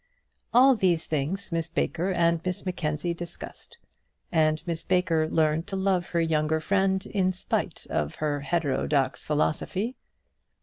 All these things Miss Baker and Miss Mackenzie discussed, and Miss Baker learned to love her younger friend in spite of her heterodox philosophy.